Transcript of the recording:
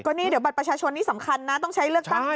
นี่เดี๋ยวบัตรประชาชนนี้สำคัญนะต้องใช้เลือกตั้ง